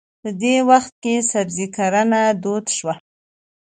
په دې وخت کې سبزي کرنه دود شوه.